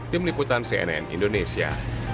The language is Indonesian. tim liputan cnn indonesia